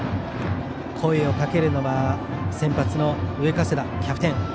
声をかけるのは先発の上加世田キャプテン。